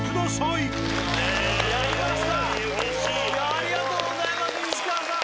ありがとうございます「西川」さん